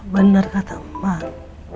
benar kata mak